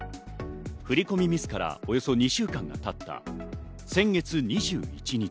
振り込みミスからおよそ２週間が経った先月２１日。